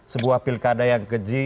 sebuah pilkada yang keji